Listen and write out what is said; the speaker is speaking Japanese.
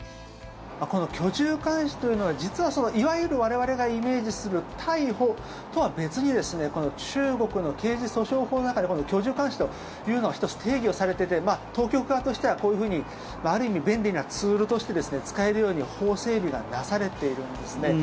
この居住監視というのは実は、いわゆる我々がイメージする逮捕とは別に中国の刑事訴訟法の中で居住監視というのが１つ、定義をされていて当局側としてはこういうふうにある意味、便利なツールとして使えるように法整備がなされているんですね。